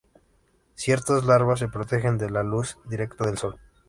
Ciertas larvas se protegen de la luz directa del sol.